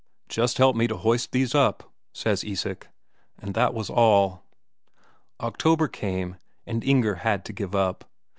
"Just help me to hoist these up," says Isak, and that was all. October came, and Inger had to give up.